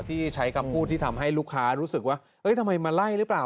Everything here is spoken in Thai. ที่ใช้คำพูดที่ทำให้ลูกค้ารู้สึกว่าทำไมมาไล่หรือเปล่า